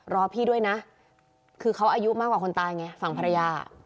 รอพี่ด้วยนะคือเขาอายุมากกว่าคนตายไงฝั่งภรรยา